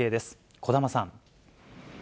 児玉さん。